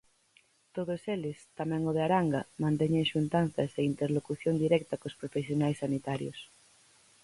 Todos eles, tamén o de Aranga, manteñen xuntanzas e interlocución directa cos profesionais sanitarios.